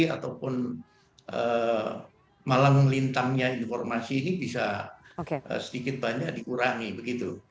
ataupun malang lintangnya informasi ini bisa sedikit banyak dikurangi